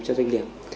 cho doanh nghiệp